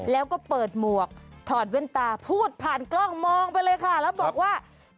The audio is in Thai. แล้วก็เปิดหมวกถอดแว่นตาพูดผ่านกล้องมองไปเลยค่ะแล้วบอกว่า